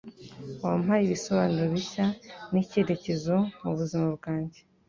Wampaye ibisobanuro bishya n'icyerekezo mu buzima bwanjye.